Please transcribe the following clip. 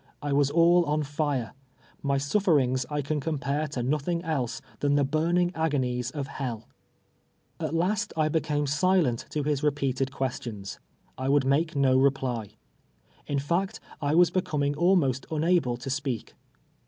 I was all on lire. My suiferings I can compare to nothing else than the burning ago nies of hell ! At last I became silent to his repeated rpTCstions. I would make no reply. In fact, I was becoming al most nnable to speak.